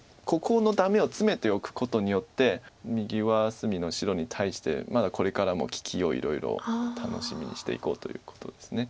ここのダメをツメておくことによって右上隅の白に対してまだこれからも利きをいろいろ楽しみにしていこうということです。